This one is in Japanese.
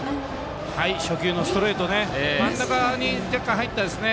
初球のストレート真ん中に若干、入ったんですね。